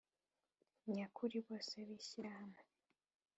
nyakuri bose b Ishyirahamwe